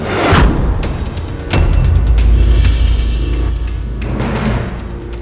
jadi bukan urusan anda